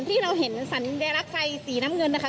ที่เราเห็นสัญลักษณ์ไฟสีน้ำเงินนะคะ